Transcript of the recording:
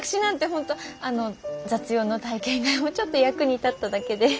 本当あの雑用の体験がちょっと役に立っただけで。